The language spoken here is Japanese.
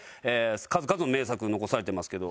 数々の名作を残されてますけど。